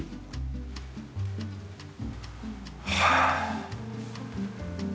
はあ。